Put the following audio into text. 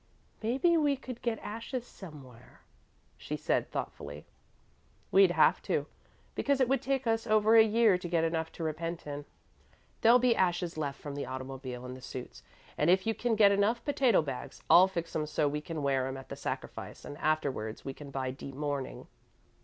"Maybe we could get ashes somewhere," she said, thoughtfully. "We'd have to, because it would take us over a year to get enough to repent in." "There'll be ashes left from the automobile and the suits, and if you can get enough potato bags, I'll fix 'em so we can wear 'em at the sacrifice and afterwards we can buy deep mourning."